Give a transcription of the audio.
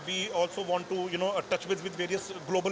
hal kedua kita juga ingin menyentuh vcs global